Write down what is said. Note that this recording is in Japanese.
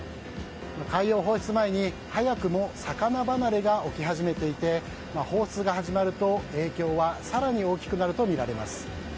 海洋放出前に早くも魚離れが起き始めていて、放出が始まると影響は更に大きくなるとみられます。